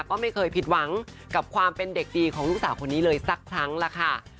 ก็ไม่เคยผิดหวังกับความเป็นเด็กดีของลูกสาวคนนี้เลยสักครั้งล่ะค่ะ